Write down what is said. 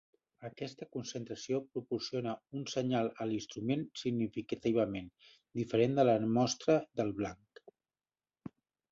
Aquesta concentració proporciona un senyal a l’instrument significativament diferent de la mostra del blanc.